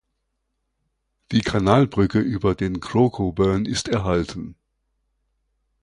Die Kanalbrücke über den "Crooko Burn" ist erhalten.